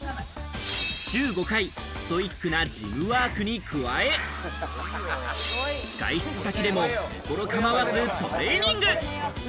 週５回、ストイックなジムワークに加え、外出先でも、ところ構わずトレーニング。